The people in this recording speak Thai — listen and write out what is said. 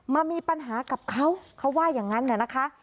มามีปัญหากับเขาเขาว่าอย่างนั้นน่ะนะคะ